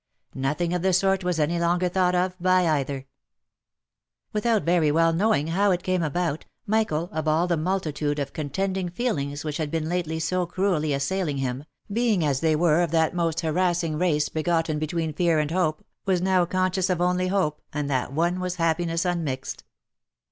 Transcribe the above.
Nothing of the sort was any longer thought of by either. 378 THE LIFE AND ADVENTURES Without very well knowing how it came about, Michael, of all the multitude of contending feelings which had been lately so cruelly as sailing him, being as they were, of that most harassing race begotten between fear and hope, was now conscious of only one, and that one was happiness unmixed.